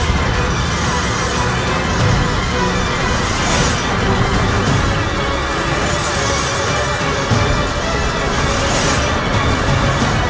masih belum kapok